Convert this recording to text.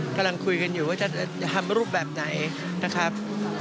กำลังคุยกันอยู่ว่าจะทำรูปแบบไหนนะครับ